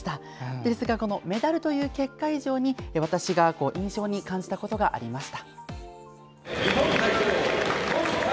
ですが、メダルという結果以上に私が印象に感じたことがありました。